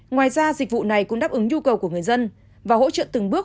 ngoài ra dịch vụ này cũng đáp ứng nhu cầu của người dân và hỗ trợ từng bước